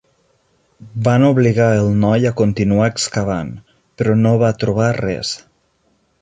Van obligar el noi a continuar excavant, però no va trobar res.